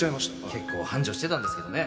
結構繁盛してたんですけどね。